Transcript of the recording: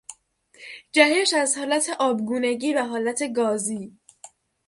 جهش از حالت آبگونگی به حالت گازی